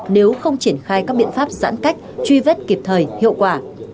nếu không triển khai các biện pháp giãn cách truy vết kịp thời hiệu quả